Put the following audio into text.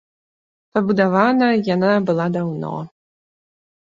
Пабудавана яна была даўно.